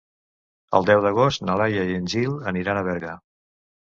El deu d'agost na Laia i en Gil aniran a Berga.